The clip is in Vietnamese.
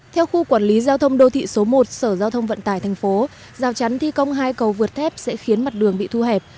theo khu quản lý giao thông đô thị số một sở giao thông vận tải thành phố rào chắn thi công hai cầu vượt thép sẽ khiến mặt đường bị thu hẹp